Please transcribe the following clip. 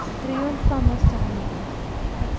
Triunfamos, amigos, etc.